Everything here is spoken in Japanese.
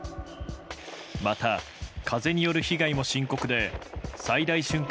また、風による被害も深刻で最大瞬間